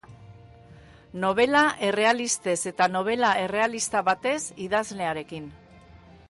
Nobela errealistez eta nobela errealista batez idazlearekin.